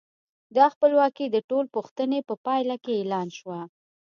دا خپلواکي د ټول پوښتنې په پایله کې اعلان شوه.